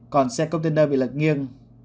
còn xe container bị lật nghiêng